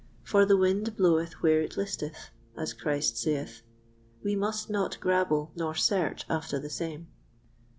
For "the wind bloweth where it listeth," as Christ saith; we must not grabble nor search after the same.